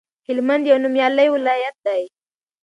هلمند یو نومیالی ولایت دی